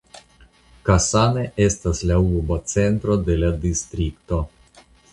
Kasane estas la urba centro de la Distrikto.